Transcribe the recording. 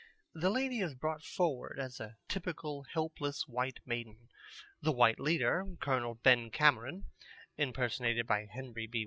The lady is brought forward as a typical helpless white maiden. The white leader, Col. Ben Cameron (impersonated by Henry B.